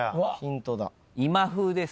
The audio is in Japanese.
今風です。